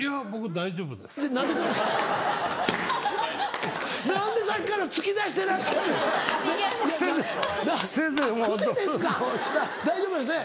大丈夫ですね？